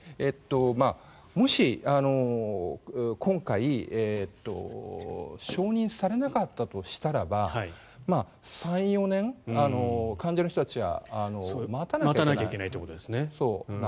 もし、今回承認されなかったとしたら３４年、患者の人たちは待たなきゃいけない。